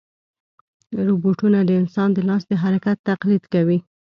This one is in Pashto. روبوټونه د انسان د لاس د حرکت تقلید کوي.